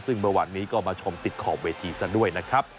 ซึ่งเมื่อวานนี้ก็มาชมติดขอบเวทีซะด้วยนะครับ